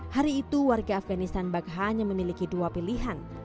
hari itu warga afganistan bak hanya memiliki dua pilihan